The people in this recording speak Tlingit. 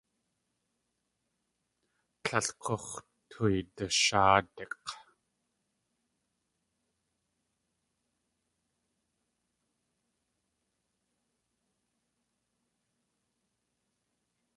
Líl k̲ux̲ tuydasháadik̲!